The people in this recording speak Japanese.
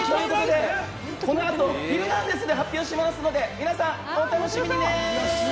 この後、『ヒルナンデス！』で発表しますので、皆さんお楽しみにね！